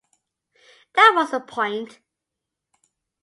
That was the point.